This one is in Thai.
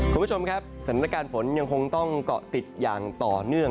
คุณผู้ชมครับสถานการณ์ฝนยังคงต้องเกาะติดอย่างต่อเนื่อง